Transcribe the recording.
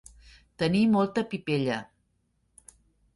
Tenir molta pipella.